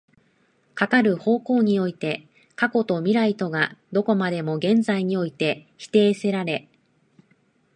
かかる方向において過去と未来とがどこまでも現在において否定せられ、